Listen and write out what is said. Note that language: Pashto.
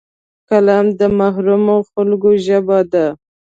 قلم د محرومو خلکو ژبه ده